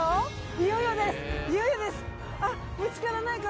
いよいよです。